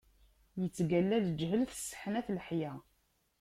Ittgalla leǧhel, tesseḥnat leḥya.